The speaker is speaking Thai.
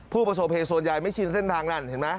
ผู้ประสบเหตุส่วนใหญ่ไม่ชินเส้นทางนั่นเห็นไหม